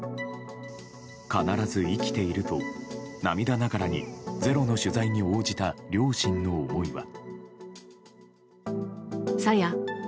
必ず生きていると、涙ながらに「ｚｅｒｏ」の取材に応じた両親の思いは。